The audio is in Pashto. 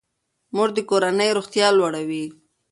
مور د کورنۍ روغتیا لوړوي.